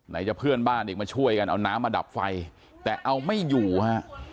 จะเพื่อนบ้านอีกมาช่วยกันเอาน้ำมาดับไฟแต่เอาไม่อยู่ฮะ